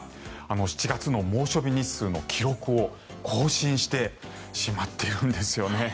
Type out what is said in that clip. ７月の猛暑日日数の記録を更新してしまっているんです。